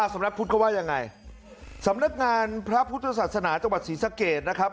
สำนักพุทธเขาว่ายังไงสำนักงานพระพุทธศาสนาจังหวัดศรีสะเกดนะครับ